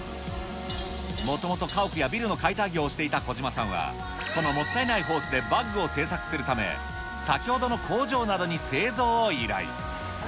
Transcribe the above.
もともと家屋やビルの解体業をしていた小島さんは、このもったいないホースでバッグを製作するため、先ほどの工場などに製造を依頼。